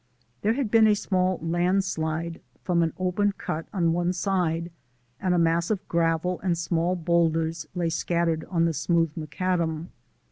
There had been a small landslide from an open cut on one side and a mass of gravel and small boulders lay scattered on the smooth macadam.